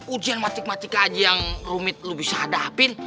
ujian matik matik aja yang rumit lo bisa hadapin